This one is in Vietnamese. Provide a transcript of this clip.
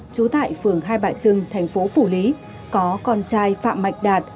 trú tại phường hai bạ trưng thành phố phủ lý có con trai phạm mạch đạt